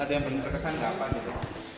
ada yang paling berkesan kapan gitu